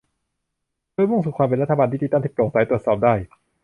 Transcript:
โดยมุ่งสู่ความเป็นรัฐบาลดิจิทัลที่โปร่งใสตรวจสอบได้